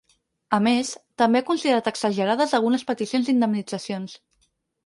A més, també ha considerat exagerades algunes peticions d’indemnitzacions.